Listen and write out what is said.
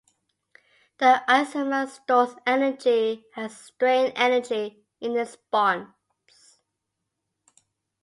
The isomer stores energy as strain energy in its bonds.